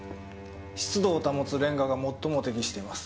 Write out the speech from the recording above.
湿度を保つレンガが最も適しています。